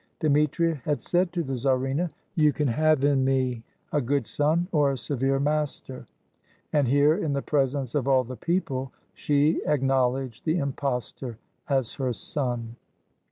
Dmitri had said to the czarina, "You can have in me a good son or a severe master"; and here, in the presence of all the people, she acknowl edged the impostor as her son.